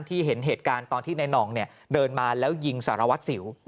เห็นเหตุการณ์ตอนที่ในหน่องเดินมาแล้วยิงสารวัตรสิว